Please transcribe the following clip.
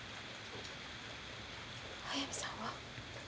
速水さんは？